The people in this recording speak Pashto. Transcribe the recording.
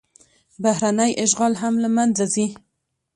بهرنی اشغال هم له منځه ځي.